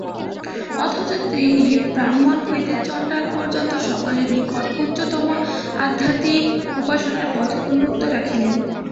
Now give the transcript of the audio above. অথচ তিনি ব্রাহ্মণ হইতে চণ্ডাল পর্যন্ত সকলের নিকট উচ্চতম আধ্যাত্মিক উপাসনার পথ উন্মুক্ত রাখিলেন।